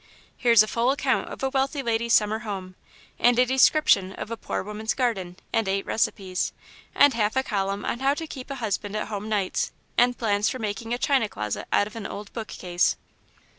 Here's a full account of a wealthy lady's Summer home, and a description of a poor woman's garden, and eight recipes, and half a column on how to keep a husband at home nights, and plans for making a china closet out of an old bookcase."